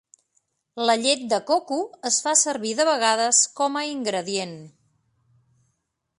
La llet de coco es fa servir de vegades com a ingredient.